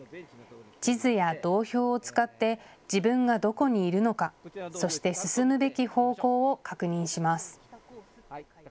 地図や道標を使って自分がどこにいるのか、そして進むべき方向を確認します。